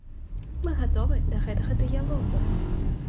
Мы гатовы да гэтага дыялогу.